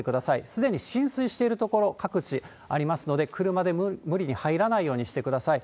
すでに浸水している所、各地ありますので、車で無理に入らないようにしてください。